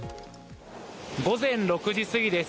午前６時過ぎです。